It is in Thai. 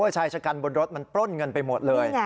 ชายชะกันบนรถมันปล้นเงินไปหมดเลย